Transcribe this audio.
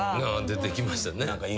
出てきましたね。